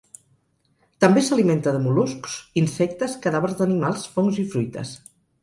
També s'alimenta de mol·luscs, insectes, cadàvers d'animals, fongs i fruites.